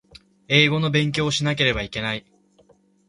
英語の勉強をしなければいけない